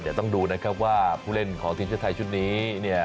เดี๋ยวต้องดูนะครับว่าผู้เล่นของทีมชาติไทยชุดนี้เนี่ย